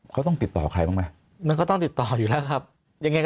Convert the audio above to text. เขาต้องติดต่อใครบ้างไหมมันก็ต้องติดต่ออยู่แล้วครับยังไง